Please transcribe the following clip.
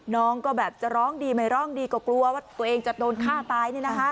น้องก็แบบจะร้องดีไม่ร้องดีก็กลัวว่าตัวเองจะโดนฆ่าตาย